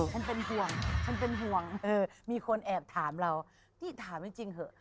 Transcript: ฉันเป็นห่วงฉันเป็นห่วงมีคนแอบถามเราพี่ถามจริงเถอะ